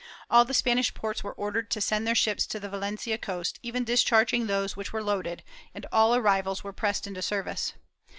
All the Spanish ports were ordered to send their ships to the Valencia coast, even discharging those which were loaded, and all arrivals were pressed into service.